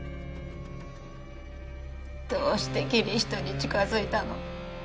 どうしてキリヒトに近づいたの？